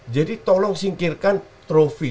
jadi tolong singkirkan trufi